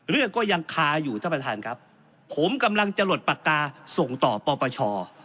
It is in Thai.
เรื่องก็ยังคาอยู่ท่านประธานครับผมกำลังจะหลดปากกาส่งต่อปปช